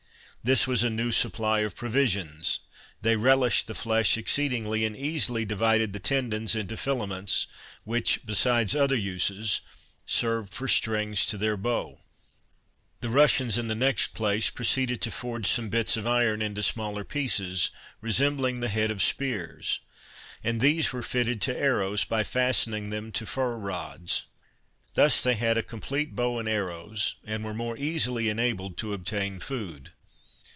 This was a new supply of provisions; they relished the flesh exceedingly, and easily divided the tendons into filaments, which, besides other uses, served for strings to their bow. The Russians, in the next place, proceeded to forge some bits of iron into smaller pieces, resembling the head of spears; and these were fitted to arrows, by fastening them to fir rods. They had thus a complete bow and arrows, and were more easily enabled to obtain food.